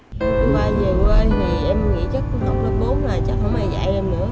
thứ ba vừa qua thì em nghĩ chắc học lớp bốn là chắc không ai dạy em nữa